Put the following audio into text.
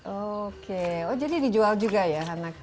oke jadi dijual juga ya anak